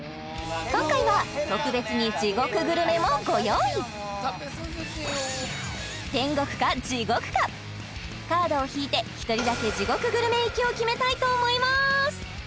今回は特別に地獄グルメもご用意天国か地獄かカードを引いて１人だけ地獄グルメ行きを決めたいと思います